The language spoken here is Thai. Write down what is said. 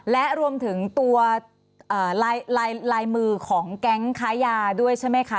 และรวมถึงตัวลายมือของแก๊งค้ายาด้วยใช่ไหมคะ